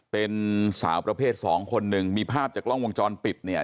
เป็นสาวประเภทสองคนหนึ่งมีภาพจากกล้องวงจรปิดเนี่ย